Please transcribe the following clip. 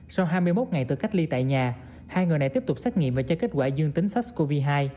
sau hai mươi một ngày tự cách ly tại nhà hai người này tiếp tục xét nghiệm và cho kết quả dương tính sars cov hai